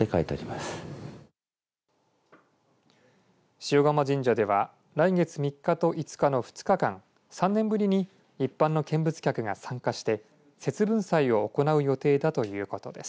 塩釜神社では来月３日と５日の２日間３年ぶりに一般の見物客が参加して節分祭を行う予定だということです。